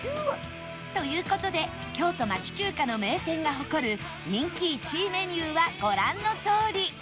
という事で京都町中華の名店が誇る人気１位メニューはご覧のとおり